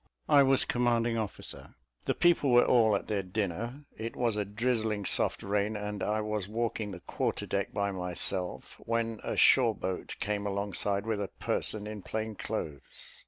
I was commanding officer; the people were all at their dinner; it was a drizzling soft rain, and I was walking the quarter deck by myself, when a shore boat came alongside with a person in plain clothes.